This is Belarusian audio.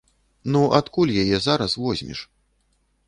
Ну, адкуль яе зараз возьмеш?